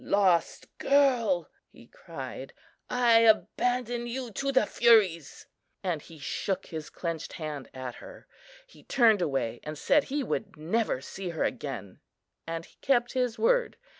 "Lost girl," he cried, "I abandon you to the Furies!" and he shook his clenched hand at her. He turned away, and said he would never see her again, and he kept his word.